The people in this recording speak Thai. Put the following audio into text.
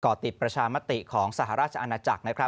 ติดประชามติของสหราชอาณาจักร